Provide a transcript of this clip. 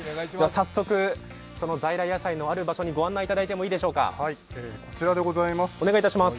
早速、その在来野菜のある場所にご案内いただいてもよろしいでしょうか。